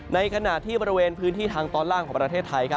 ในขณะที่บริเวณพื้นที่ทางตอนล่างของประเทศไทย